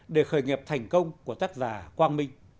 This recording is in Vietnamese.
để khởi nghiệp thành công của tác giả quang minh